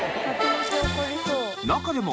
中でも